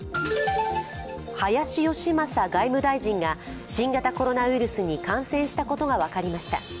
林芳正外務大臣が新型コロナウイルスに感染したことが分かりました。